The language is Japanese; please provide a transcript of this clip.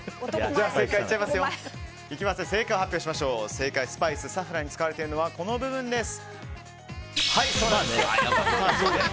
正解のスパイスサフランに使われているのはこの部分です。